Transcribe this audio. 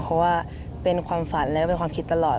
เพราะว่าเป็นความฝันและเป็นความคิดตลอด